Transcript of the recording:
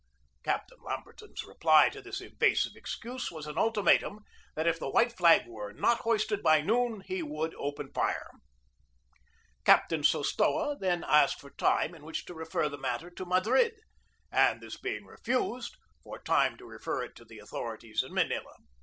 Captain Lamberton's reply to this evasive excuse was an ultimatum that if the white flag were not hoisted by noon he would open fire. THE BATTLE OF MANILA BAY 227 Captain Sostoa then asked for time in which to refer the matter to Madrid, and this being refused, for time to refer it to the authorities at Manila.